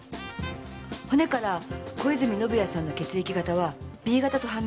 骨から小泉宣也さんの血液型はＢ型と判明しています。